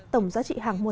tổng giá trị hàng mua